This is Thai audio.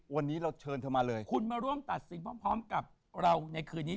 วันนี้เราเชิญเธอมาเลยคุณมาร่วมตัดสินพร้อมกับเราในคืนนี้